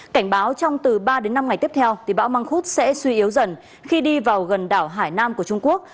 cảnh báo trong từ ba đến năm ngày tiếp theo thì bão măng khuốt sẽ suy yếu dần khi đi vào gần đảo hải nam của trung quốc